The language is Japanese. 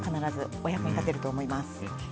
お役に立てると思います。